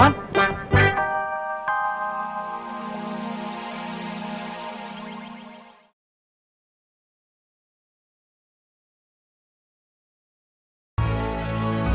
woy masih kita bayi man